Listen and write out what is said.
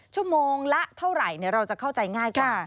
ชั่วโมงละเท่าไหร่เราจะเข้าใจง่ายกัน